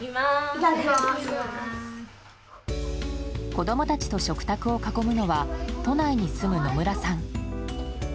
子供たちと食卓を囲むのは都内に住む野村さん。